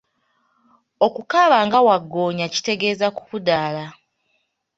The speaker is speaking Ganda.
Okukaaba nga waggoonya kitegeeza kukudaala.